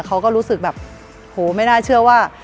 เขาก็รู้สึกแบบโหไม่น่าเชื่อว่า